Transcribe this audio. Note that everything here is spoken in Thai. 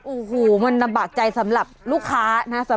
อู้หูมันนะบาดใจสำหรับลูกค้านะ